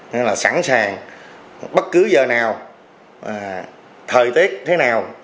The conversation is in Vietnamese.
nên là sẵn sàng bất cứ giờ nào thời tiết thế nào